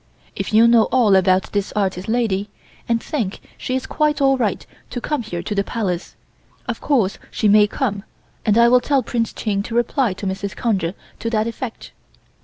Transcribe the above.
If you know all about this artist lady, and think she is quite all right to come here to the Palace, of course she may come, and I will tell Prince Ching to reply to Mrs. Conger to that effect.